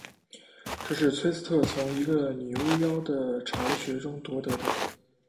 这是崔斯特从一个女巫妖的巢穴中夺得的。